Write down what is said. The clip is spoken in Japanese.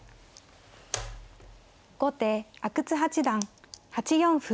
後手阿久津八段８四歩。